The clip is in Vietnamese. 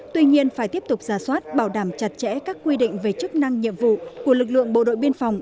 tuy nhiên phải tiếp tục ra soát bảo đảm chặt chẽ các quy định về chức năng nhiệm vụ của lực lượng bộ đội biên phòng